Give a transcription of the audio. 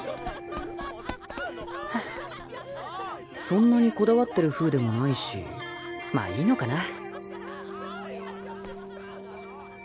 そんなにこだわってる風でもないしまあいいのかな？